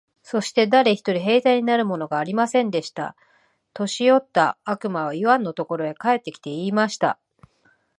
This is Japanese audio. そして誰一人兵隊になるものがありませんでした。年よった悪魔はイワンのところへ帰って来て、言いました。